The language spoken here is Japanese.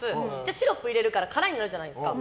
シロップ入れるから空になるじゃないですか。